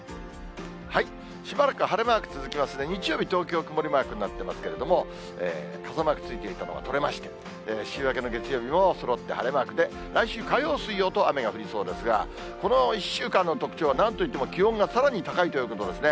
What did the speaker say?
しばらく晴れマーク続きますね、日曜日、東京、曇りマークになっていますけれども、傘マークついていたのが取れまして、週明けの月曜日もそろって晴れマークで、来週火曜、水曜と雨が降りそうですが、この１週間の特徴は、なんといっても、気温がさらに高いということですね。